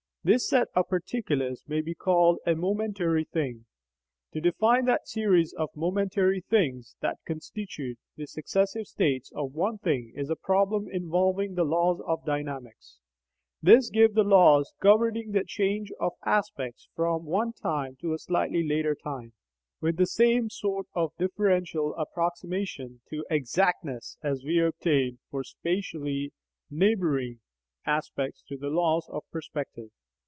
This set of particulars may be called a "momentary thing." To define that series of "momentary things" that constitute the successive states of one thing is a problem involving the laws of dynamics. These give the laws governing the changes of aspects from one time to a slightly later time, with the same sort of differential approximation to exactness as we obtained for spatially neighbouring aspects through the laws of perspective.